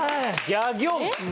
「ギャギョン」。